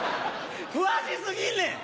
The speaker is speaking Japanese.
詳し過ぎんねん！